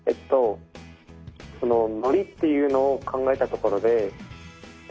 ノリっていうのを考えたところで絵文字？